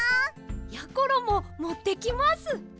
やころももってきます。